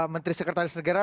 menteri sekretaris negara